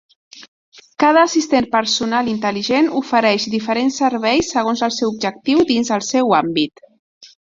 Cada assistent personal intel·ligent ofereix diferents serveis segons el seu objectiu dins el seu àmbit.